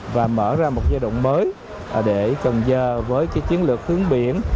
và mở ra một giai đoạn mới để cần giờ với chiến lược hướng biển